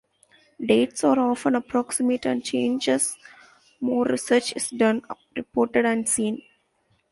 Dates are often approximate and change as more research is done, reported, and seen.